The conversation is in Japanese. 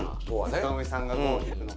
坂上さんが５引くの。